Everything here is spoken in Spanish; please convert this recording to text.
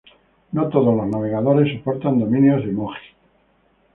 No todos los navegadores soportan dominios emoji.